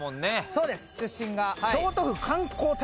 そうです出身が。